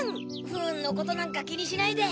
不運のことなんか気にしないで。